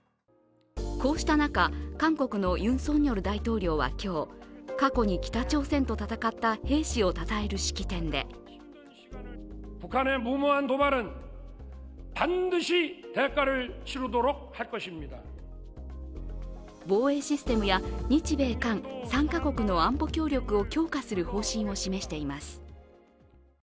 こうした中、韓国のユン・ソンニョル大統領は今日、過去に北朝鮮と戦った兵士をたたえる式典で防衛システムや日米韓３カ国の安保協力を強化する方針を示しています。